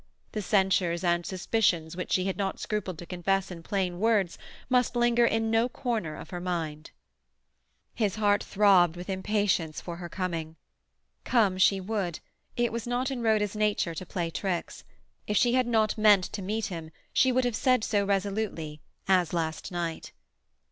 The censures and suspicions which she had not scrupled to confess in plain words must linger in no corner of her mind. His heart throbbed with impatience for her coming. Come she would; it was not in Rhoda's nature to play tricks; if she had not meant to meet him she would have said so resolutely, as last night.